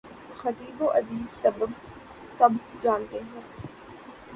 خطیب و ادیب سب جانتے ہیں۔